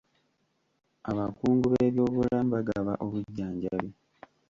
Abakungu b'ebyobulamu bagaba obujjanjabi.